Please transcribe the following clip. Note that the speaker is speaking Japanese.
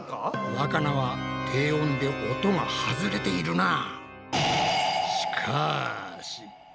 わかなは低音で音が外れているなぁ。